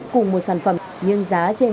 cùng một sản phẩm nhưng giá trên